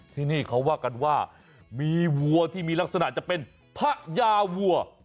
ที่นี่เขาว่ากันว่ามีวัวที่มีลักษณะจะเป็นพระยาวัว